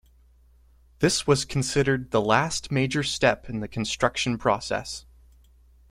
This was considered the last major step in the construction process.